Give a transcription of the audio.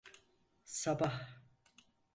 Sabah…